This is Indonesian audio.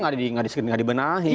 sistemnya tidak dibenahi